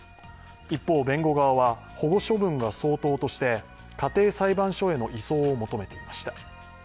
一方、弁護側は保護処分が相当として家庭裁判所への移送を求めていました。